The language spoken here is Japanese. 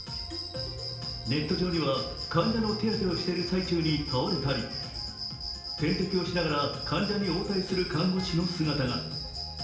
ネット上には患者の手当てをしている最中に倒れたり点滴をしながら患者に応対する看護師の姿が。